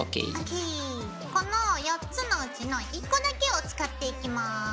この４つのうちの１個だけを使っていきます。